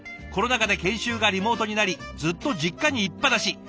「コロナ禍で研修がリモートになりずっと実家にいっぱなし。